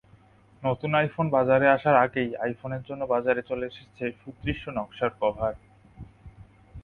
নতুন আইফোন বাজারে আসার আগেই আইফোনের জন্য বাজারে চলে এসেছে সুদৃশ্য নকশার কভার।